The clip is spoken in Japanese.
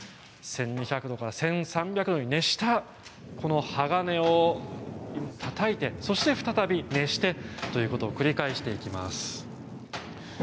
１２００度から１３００度に熱した鋼をたたいて再び熱してということを繰り返していきます。